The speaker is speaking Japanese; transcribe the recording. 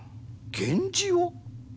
源氏を？